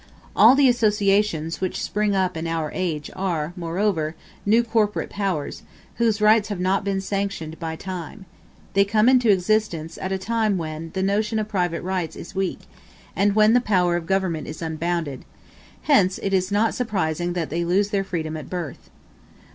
All the associations which spring up in our age are, moreover, new corporate powers, whose rights have not been sanctioned by time; they come into existence at a time when the notion of private rights is weak, and when the power of government is unbounded; hence it is not surprising that they lose their freedom at their birth.